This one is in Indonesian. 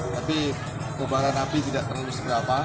tapi kebaran api tidak terlalu segera apa